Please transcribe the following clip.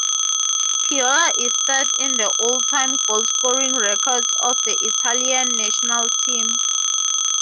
Piola is third in the all-time goalscoring records of the Italian national team.